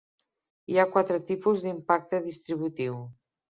Hi ha quatre tipus d"impacte distributiu.